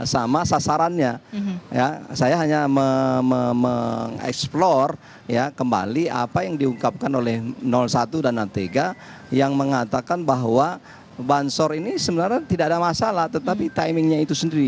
sama sasarannya saya hanya mengeksplor kembali apa yang diungkapkan oleh satu dan a tiga yang mengatakan bahwa bansos ini sebenarnya tidak ada masalah tetapi timingnya itu sendiri